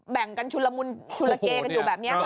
แบ่งกันชุนละมุนชุลเกกันอยู่แบบนี้